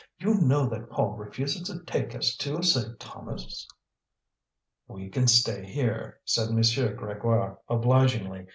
You know that Paul refuses to take us to Saint Thomas." "We can stay here," said M. Grégoire, obligingly.